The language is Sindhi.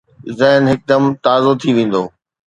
ذهن هڪدم تازو ٿي ويندو